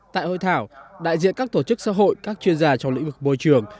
tại hội thảo đại diện các tổ chức xã hội các chuyên gia trong lĩnh vực môi trường